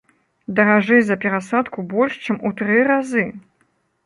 Даражэй за перасадку больш чым у тры разы!